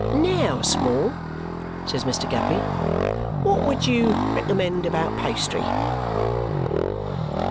"Now, Small," says Mr. Guppy, "what would you recommend about pastry?"